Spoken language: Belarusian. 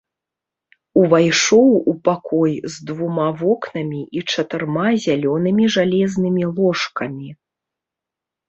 Увайшоў у пакой з двума вокнамі і чатырма залёнымі жалезнымі ложкамі.